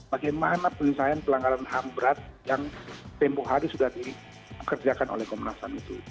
bagaimana penelusuran pelanggaran ham berat yang tempoh hari sudah dikerjakan oleh komunas tan itu